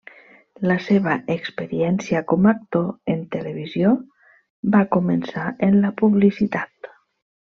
La seva experiència com a actor en televisió va començar en la publicitat.